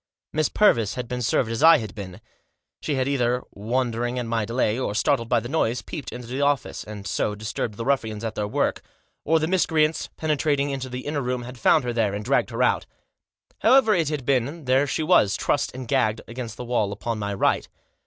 Miss Purvis had been served as I had been. She had either, wondering at my delay, or startled by the noise, peeped into the office, and so disturbed 14* Digitized by 212 THE JOSS. the ruffians at their work ; or the miscreants, pene trating into the inner room, had found her there and dragged her out However it had been, there she was, trussed and gagged against the wall upon my right.